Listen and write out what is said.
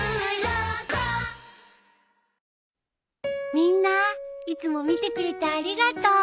みんないつも見てくれてありがとう。